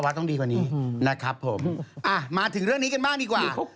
หมายถึงว่าคำว่าสแตมมันก็เลยจะใช้กับทุกอย่าง